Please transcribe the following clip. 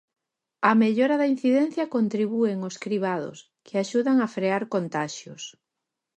Á mellora da incidencia contribúen os cribados, que axudan a frear contaxios.